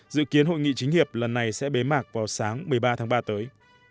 dự kiến hội nghị chính hiệp lần này sẽ bế mạc vào sáng một mươi ba tháng ba tới